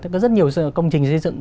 có rất nhiều công trình xây dựng